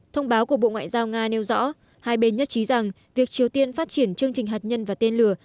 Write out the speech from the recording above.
thông báo của bộ ngoại giao nga nêu rõ hai bên nhất trí rằng việc triều tiên phát triển chương trình hạt nhân và tên lửa